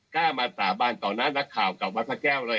กล้ามาสาบานต่อหน้านักข่าวกับวัดพระแก้วเลย